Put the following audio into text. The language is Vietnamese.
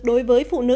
đối với phụ nữ